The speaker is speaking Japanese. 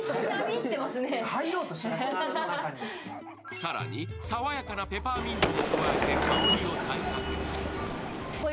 更に、爽やかなペパーミントも加えて香りを再確認。